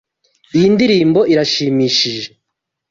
Iyi ndirimbo iranshimishije.